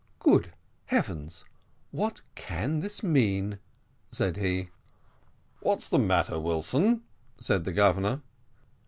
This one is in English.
"Good heavens! what can this mean?" said he. "What's the matter, Wilson?" said the Governor.